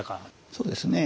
そうですね。